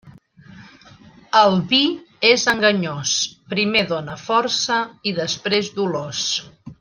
El vi és enganyós: primer dóna força i després dolors.